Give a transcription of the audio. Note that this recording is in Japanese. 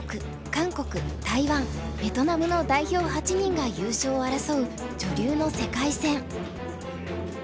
韓国台湾ベトナムの代表８人が優勝を争う女流の世界戦。